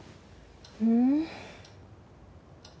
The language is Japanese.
うん？